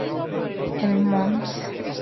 El Mons.